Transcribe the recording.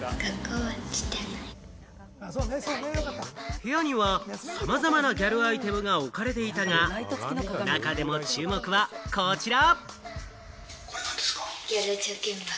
部屋にはさまざまなギャルアイテムが置かれていたが、中でも注目はこちら。